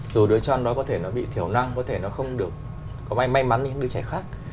dù đứa chàng đó có thể nó bị thiểu năng có thể nó không được có may mắn như những đứa trẻ khác